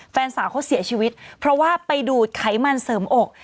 แฟนสาวเขาเสียชีวิตเพราะว่าไปดูดไขมันเสริมอก